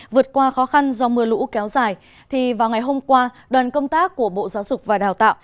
vượt qua khó khăn do mưa lũ kéo dài thì vào ngày hôm qua đoàn công tác của bộ giáo dục và đào tạo